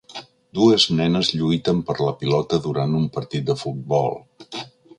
Dues nenes lluiten per la pilota durant un partit de futbol.